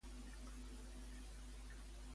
Quin significat té "brillar"?